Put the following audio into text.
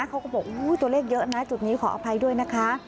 เขาก็บอกตัวเลขเยอะนะจุดนี้ขออภัยด้วยนะคะ